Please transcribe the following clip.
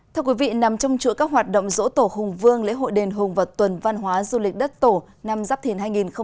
thưa quý vị nằm trong chuỗi các hoạt động dỗ tổ hùng vương lễ hội đền hùng và tuần văn hóa du lịch đất tổ năm giáp thiền hai nghìn hai mươi bốn